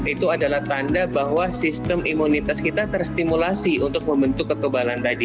itu adalah tanda bahwa sistem imunitas kita terstimulasi untuk membentuk kekebalan tadi